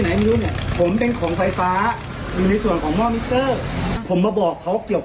ให้ดูบาทการไฟฟ้าด้วยบาทการไฟฟ้ากับไฟฟ้าด้วย